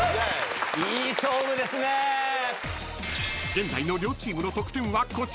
［現在の両チームの得点はこちら］